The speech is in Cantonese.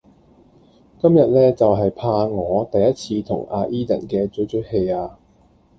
今日呢就係怕我第一次同亞 Edan 嘅嘴嘴戲呀